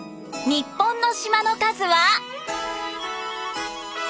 日本の島の数は。